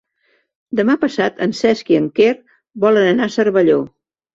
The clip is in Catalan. Demà passat en Cesc i en Quer volen anar a Cervelló.